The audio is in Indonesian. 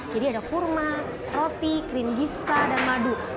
jadi ada kurma roti krim gista dan madu